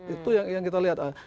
itu yang kita lihat